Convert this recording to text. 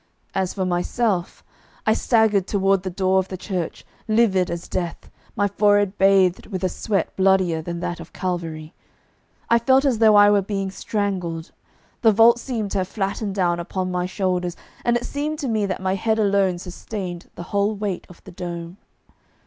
As for myself, I staggered toward the door of the church, livid as death, my forehead bathed with a sweat bloodier than that of Calvary; I felt as though I were being strangled; the vault seemed to have flattened down upon my shoulders, and it seemed to me that my head alone sustained the whole weight of the dome.